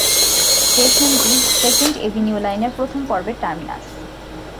স্টেশনটি second avenue লাইনের প্রথম পর্বের টার্মিনাস।